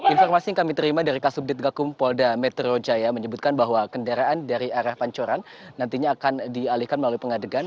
informasi yang kami terima dari kasubdit gakum polda metro jaya menyebutkan bahwa kendaraan dari arah pancoran nantinya akan dialihkan melalui pengadegan